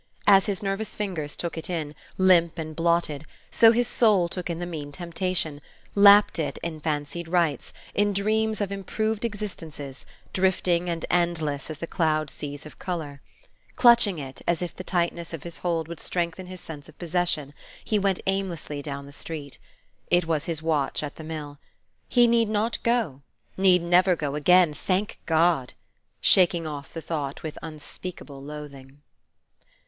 As his nervous fingers took it in, limp and blotted, so his soul took in the mean temptation, lapped it in fancied rights, in dreams of improved existences, drifting and endless as the cloud seas of color. Clutching it, as if the tightness of his hold would strengthen his sense of possession, he went aimlessly down the street. It was his watch at the mill. He need not go, need never go again, thank God! shaking off the thought with unspeakable loathing.